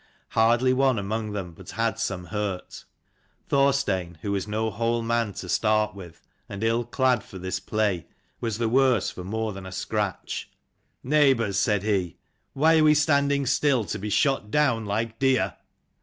Hardly one among them but had some hurt. Thorstein, who was no whole man to start with, and ill clad for this play, was the worse for more than a scratch. "Neighbours," said he, "why are we stand ing still to be shot down like deer